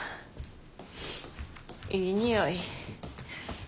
いい匂い。